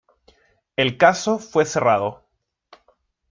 El caso fue cerrado.